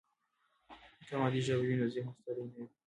که مادي ژبه وي، نو ذهن ستړي نه وي.